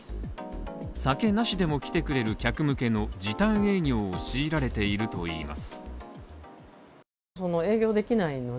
酒なしでも来てくれる客向けの時短営業を強いられているといいます。